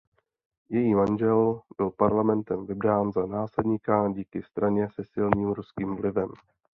Její manžel byl parlamentem vybrán za následníka díky straně se silným ruským vlivem.